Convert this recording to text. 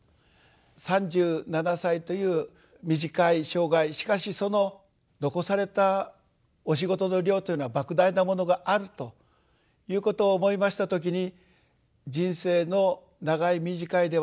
３７歳という短い生涯しかしその残されたお仕事の量というのは莫大なものがあるということを思いました時に人生の長い短いではない。